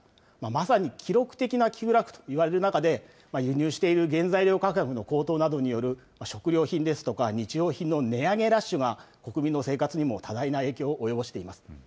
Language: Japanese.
まさに記録的な急落といわれる中で、輸入している原材料価格の高騰などによる食料品ですとか、日用品の値上げラッシュが、国民の生活にも多大な影響を及ぼしています。